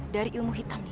dari ilmu hitam ini